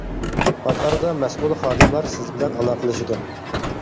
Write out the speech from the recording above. پات ئارىدا مەسئۇل خادىملار سىز بىلەن ئالاقىلىشىدۇ.